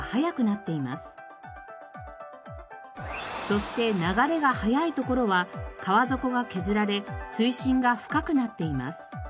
そして流れが速い所は川底が削られ水深が深くなっています。